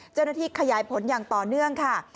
เจ้าหน้าที่ขยายผลอย่างต่อเนื่องค่ะ